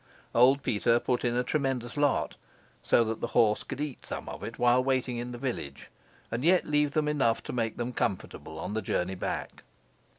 Old Peter put in a tremendous lot, so that the horse could eat some of it while waiting in the village, and yet leave them enough to make them comfortable on the journey back.